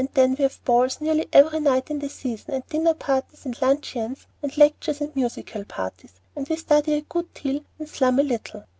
Then we have balls nearly every night in the season and dinner parties and luncheons and lectures and musical parties, and we study a good deal and 'slum' a little.